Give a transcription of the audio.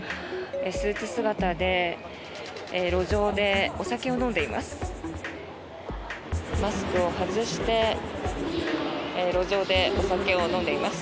スーツ姿で路上でお酒を飲んでいます。